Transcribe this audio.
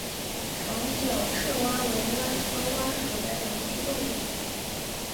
长脚赤蛙为蛙科蛙属的两栖动物。